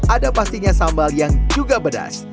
ada pastinya sambal yang juga pedas